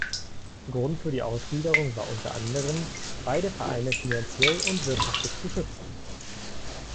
Grund für die Ausgliederung war unter anderem beide Vereine finanziell und wirtschaftlich zu schützen.